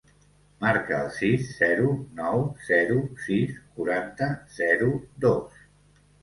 Marca el sis, zero, nou, zero, sis, quaranta, zero, dos.